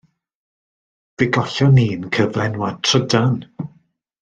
Fe gollon ni'n cyflenwad trydan.